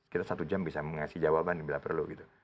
kita satu jam bisa mengasih jawaban bila perlu gitu